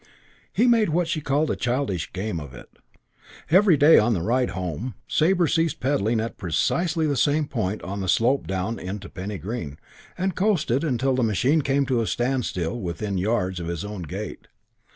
He made what she called a childish game of it. Every day on the ride home, Sabre ceased pedalling at precisely the same point on the slope down into Penny Green and coasted until the machine came to a standstill within a few yards of his own gate.